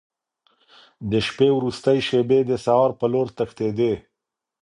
د شپې وروستۍ شېبې د سهار په لور تښتېدې.